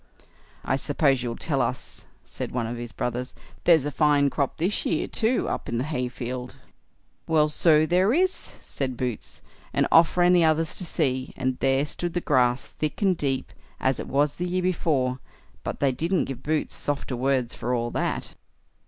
"I suppose you'll tell us", said one of his brothers, "there's a fine crop this year too, up in the hayfield." "Well, so there is", said Boots; and off ran the others to see, and there stood the grass thick and deep, as it was the year before; but they didn't give Boots softer words for all that.